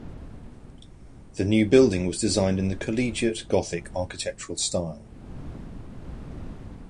The new building was designed in the Collegiate Gothic architectural style.